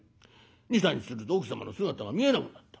２３日すると奥様の姿が見えなくなった。